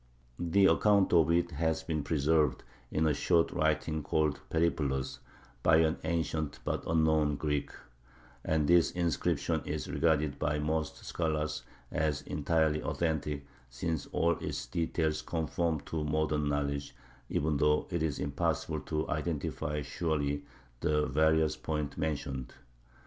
The account of it has been preserved in a short writing called the "Periplus," by an ancient but unknown Greek; and this inscription is regarded by most scholars as entirely authentic, since all its details conform to modern knowledge, even though it is impossible to identify surely the various points mentioned.